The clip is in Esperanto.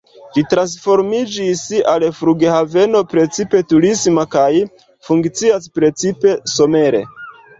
Ĝi transformiĝis al flughaveno precipe turisma kaj funkcias precipe somere.